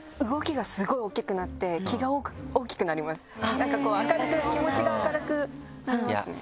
なんかこう明るく気持ちが明るくなりますね。